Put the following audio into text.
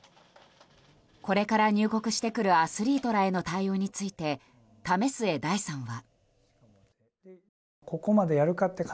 これから入国してくるアスリートらへの対応について為末大さんは。